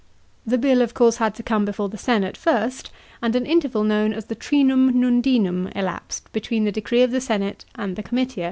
The bill of course had to come before the senate first, and an interval known as the trinum nundinum elapsed between the decree of the sena'e and the comitia.